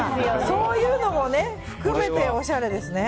そういうのも含めておしゃれですね。